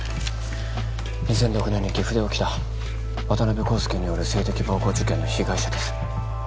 ２００６年に岐阜で起きた渡辺康介による性的暴行事件の被害者です